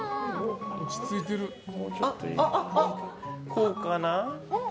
こうかな。